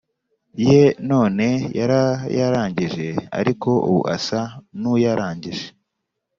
ye none yarayarangije ariko ubu asa nuwayarangije